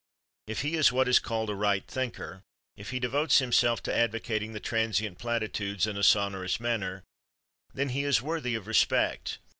If he is what is called a "right thinker," if he devotes himself to advocating the transient platitudes in a sonorous manner, then he is worthy of respect.